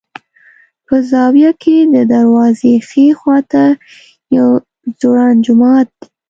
په زاویه کې د دروازې ښي خوا ته یو ځوړند جومات دی.